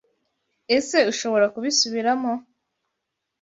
Ese Ushobora kubisubiramo?